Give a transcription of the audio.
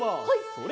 それ！